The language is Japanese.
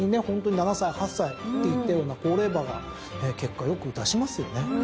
ホントに７歳８歳というような高齢馬が結果よく出しますよね。